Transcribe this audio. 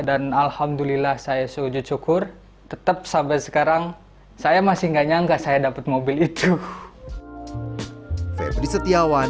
dan alhamdulillah saya sujud syukur tetap sampai sekarang saya masih nggak nyangka saya dapat mobil itu